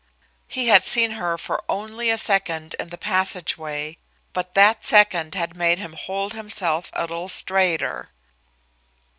He had seen her for only a second in the passageway, but that second had made him hold himself a little straighter.